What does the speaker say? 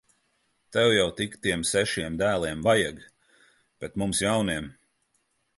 Tev jau tik tiem sešiem dēliem vajag! Bet mums jauniem.